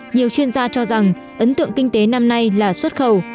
nhiều chuyên gia cho rằng ấn tượng kinh tế năm nay là xuất khẩu